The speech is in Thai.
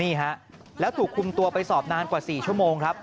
นี่ฮะแล้วถูกคุมตัวไปสอบนานกว่า๔ชั่วโมงครับ